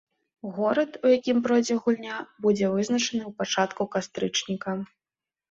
Горад, у якім пройдзе гульня, будзе вызначаны ў пачатку кастрычніка.